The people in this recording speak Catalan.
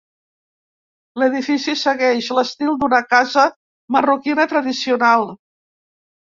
L'edifici segueix l'estil d'una casa marroquina tradicional.